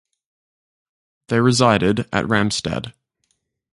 They resided at Ramstad.